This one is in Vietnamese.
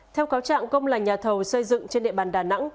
theo cáo trạng công là nhà thầu xây dựng trên địa bàn đà nẵng